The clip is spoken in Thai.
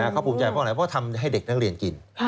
เขาภูมิใจเพราะอะไรเพราะทำให้เด็กนักเรียนกิน